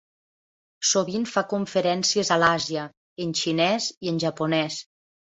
Sovint fa conferències a l'Àsia, en xinès i en japonès.